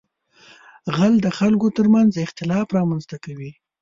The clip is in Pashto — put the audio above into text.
غل د خلکو تر منځ اختلاف رامنځته کوي